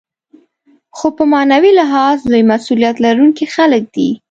خو په معنوي لحاظ لوی مسوولیت لرونکي خلک دي.